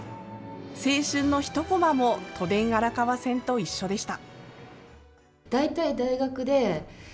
青春の一コマも都電荒川線と一緒でした。